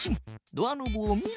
ドアノブを見る。